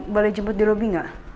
boleh jemput di robby gak